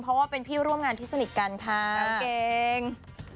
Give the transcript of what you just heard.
เพราะว่าเป็นพี่ร่วมงานที่สนิทกันค่ะกางเกง